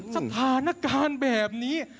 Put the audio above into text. สถานการณ์แบบนี้